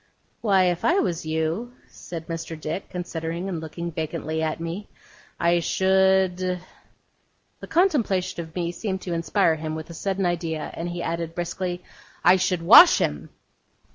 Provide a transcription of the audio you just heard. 'Why, if I was you,' said Mr. Dick, considering, and looking vacantly at me, 'I should ' The contemplation of me seemed to inspire him with a sudden idea, and he added, briskly, 'I should wash him!